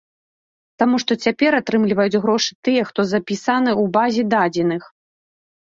Таму што цяпер атрымліваюць грошы тыя, хто запісаны ў базе дадзеных.